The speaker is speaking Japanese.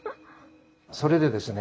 それでですね